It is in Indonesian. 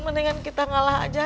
mendingan kita ngalah aja